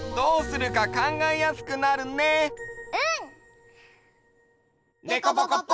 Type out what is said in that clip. うん！